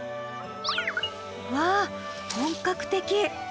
わあ本格的！